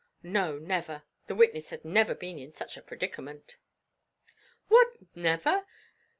No, never; the witness had never been in such a predicament. "What, never?